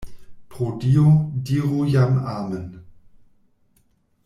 Pro Dio, diru jam amen!